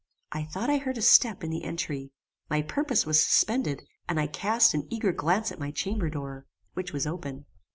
I thought I heard a step in the entry. My purpose was suspended, and I cast an eager glance at my chamber door, which was open.